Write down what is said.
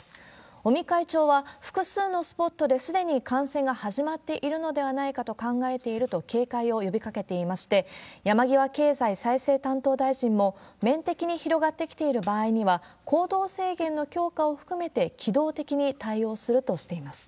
尾身会長は、複数のスポットですでに感染が始まっているのではないかと考えているとされていまして、山際経済再生担当大臣も、面的に広がってきている場合には、行動制限の強化を含めて機動的に対応するとしています。